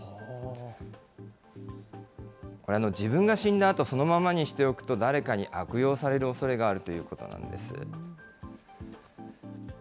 自分が死んだあと、そのままにしておくと、誰かに悪用されるおそれがあるということなんです。